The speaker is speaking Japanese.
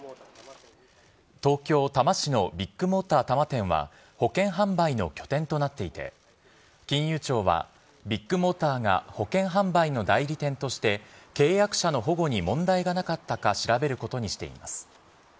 東京・多摩市のビッグモーター多摩店は、保険販売の拠点となっていて、金融庁は、ビッグモーターが保険販売の代理店として契約者の保護に問題がなかったか調べることにしています。